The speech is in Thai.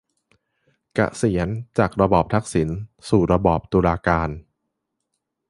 เกษียร : จากระบอบทักษิณสู่ระบอบตุลาการ